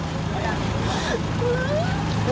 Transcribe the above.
โอ้โฮ